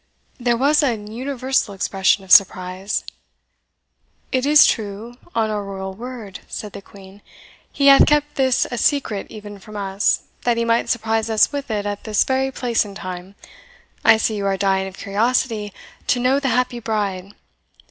There was an universal expression of surprise. "It is true, on our royal word," said the Queen; "he hath kept this a secret even from us, that he might surprise us with it at this very place and time. I see you are dying of curiosity to know the happy bride.